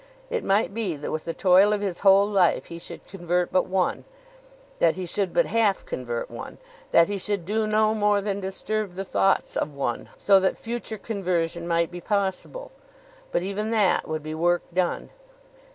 It might be that with the toil of his whole life he should convert but one; that he should but half convert one; that he should do no more than disturb the thoughts of one so that future conversion might be possible. But even that would be work done.